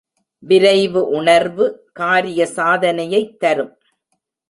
விரைவு உணர்வு காரிய சாதனையைத் தரும்.